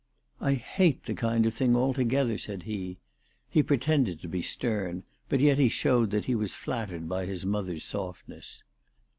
"I hate the kind of thing altogether/' said he. He pretended to be stern, but yet he showed that he was flattered by his mother's softness.